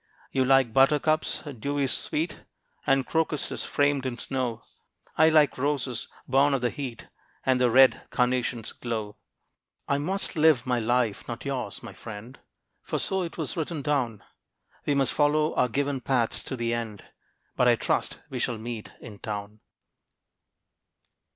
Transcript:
You like buttercups, dewy sweet, And crocuses, framed in snow; I like roses, born of the heat, And the red carnation's glow. I must live my life, not yours, my friend, For so it was written down; We must follow our given paths to the end, But I trust we shall meet in town.